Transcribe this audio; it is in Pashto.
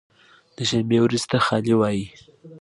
د شنبې ورځې ته خالي وایی